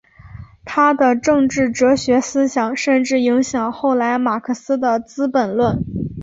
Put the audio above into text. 他的政治哲学思想甚至影响后来马克思的资本论。